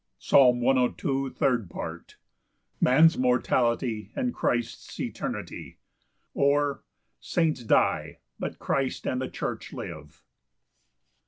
Psalm 102:3. 25 28. Third Part. Man's mortality and Christ's eternity; or, Saints die, but Christ and the church live.